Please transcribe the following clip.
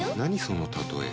その例え。